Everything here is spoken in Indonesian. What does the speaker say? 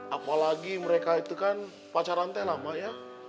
apalagi mereka itu kan pacaran telam ya